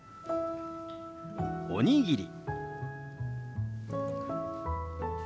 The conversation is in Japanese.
「おにぎり」。